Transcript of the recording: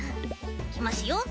いきますよ。